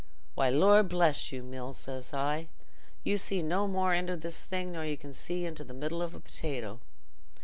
'Why, Lor' bless you, Mills,' says I, 'you see no more into this thing nor you can see into the middle of a potato.